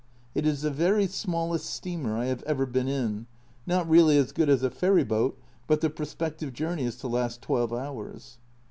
It is the very smallest steamer I have ever been in, not really as good as a ferry boat, but the prospective journey is to last twelve hours.